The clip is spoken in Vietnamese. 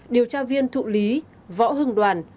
điều tra viên thụ lý võ hưng đoàn